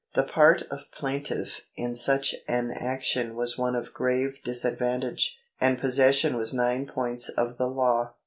The part of plaintiff in such an action was one of grave disadvantage, and possession was nine points of the law.